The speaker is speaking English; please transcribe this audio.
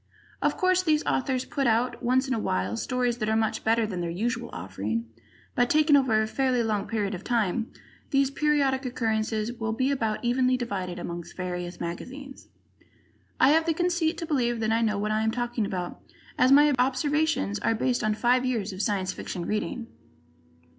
Of course, these authors put out, once in a while, stories that are much better than their usual offering, but, taken over a fairly long period of time, these periodic occurrences will be about evenly divided among various magazines. I have the conceit to believe that I know what I am talking about, as my observations are based on five years of Science Fiction reading.